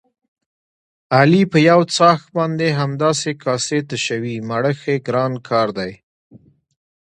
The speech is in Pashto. علي په یوڅآښت باندې همداسې کاسې تشوي، مړښت یې ګران کار دی.